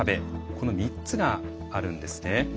この３つがあるんですね。